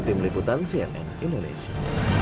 tim liputan cnn indonesia